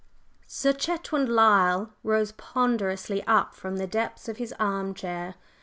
Sir Chetwynd Lyle rose ponderously up from the depths of his arm chair.